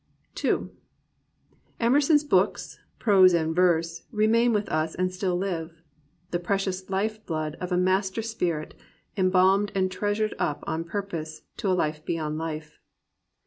j n Emerson's books, prose and verse, remain with us and still live, — "the precious Hfe blood of a mas terspirit, embalmed and treasured up on puipose to a life beyond hfe."